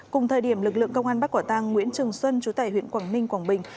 cùng thời điểm lực lượng công an bắt quả tăng nguyễn trường xuân trú tại huyện quảng ninh quảng bình